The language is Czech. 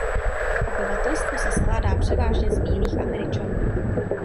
Obyvatelstvo se skládá převážně z bílých Američanů.